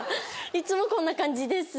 いつもこんな感じです。